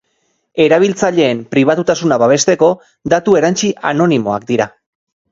Erabiltzaileen pribatutasuna babesteko, datu erantsi anonimoak dira.